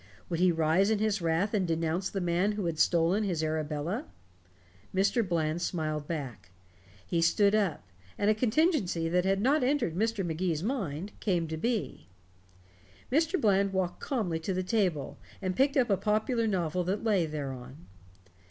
Would he rise in his wrath and denounce the man who had stolen his Arabella? Mr. Bland smiled back. He stood up. And a contingency that had not entered Mr. Magee's mind came to be. Mr. Bland walked calmly to the table, and picked up a popular novel that lay thereon.